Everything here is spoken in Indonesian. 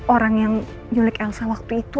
orang yang nyulik elsa waktu itu